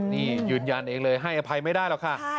นี่ยืนยันเองเลยให้อภัยไม่ได้หรอกค่ะ